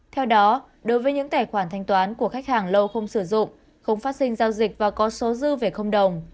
theo đó đối với những tài khoản thanh toán của khách hàng lâu không sử dụng không phát sinh giao dịch và có số dư về đồng